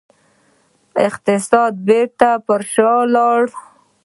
اقتصاد بیرته پر شا لاړ.